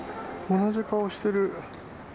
同じ顔してる。